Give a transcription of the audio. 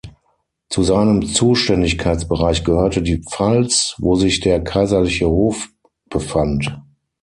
Zu seinem Zuständigkeitsbereich gehörte die Pfalz, wo sich der kaiserliche Hof befand.